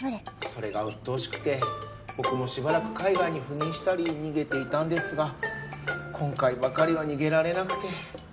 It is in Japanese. それがうっとうしくて僕もしばらく海外に赴任したり逃げていたんですが今回ばかりは逃げられなくて